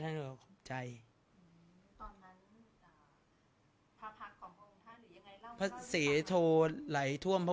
สงฆาตเจริญสงฆาตเจริญ